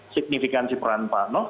signifikansi peran pak nos